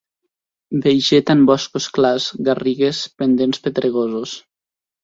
Vegeta en boscos clars, garrigues, pendents pedregosos.